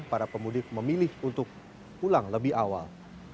para pemudik memilih untuk pulang lebih awal